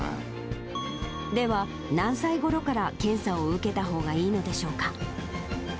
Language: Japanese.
では、何歳ごろから検査を受けたほうがいいのでしょうか。